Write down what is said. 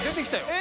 え？